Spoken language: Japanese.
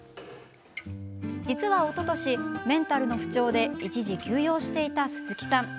実はおととし、メンタルの不調で一時休養していた鈴木さん。